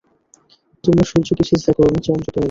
তোমরা সূর্যকে সিজদা করো না, চন্দ্রকেও না।